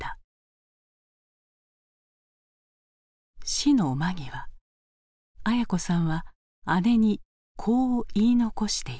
死の間際文子さんは姉にこう言い残していた。